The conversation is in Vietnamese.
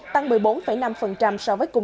tăng một mươi bốn năm so với cùng